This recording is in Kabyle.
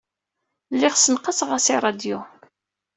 Lliɣ ssenqaseɣ-as i ṛṛadyu.